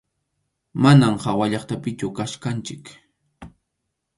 Manam hawallaqtapichu kachkanchik.